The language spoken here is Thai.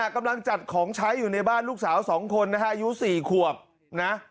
กำลังจัดของใช้อยู่ในบ้านลูกสาว๒คนนะฮะอายุ๔ขวบนะ